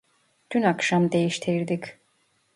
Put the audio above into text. Dün akşam değiştirdik